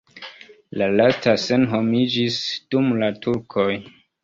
La lasta senhomiĝis dum la turkoj.